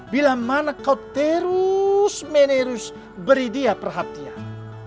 bila mana kau terus menerus beri dia perhatian